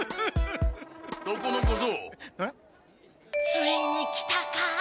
ついに来たか。